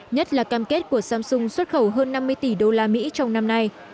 nhất là cam kết của samsung xuất khẩu hơn năm mươi tỷ usd trong năm nay